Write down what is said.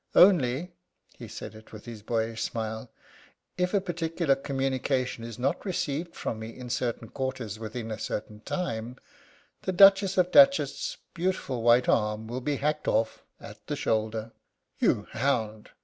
Only" he said it with his boyish smile "if a particular communication is not received from me in certain quarters within a certain time, the Duchess of Datchet's beautiful white arm will be hacked off at the shoulder." "You hound!"